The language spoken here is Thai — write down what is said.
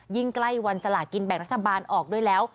ใกล้วันสลากินแบ่งรัฐบาลออกด้วยแล้ว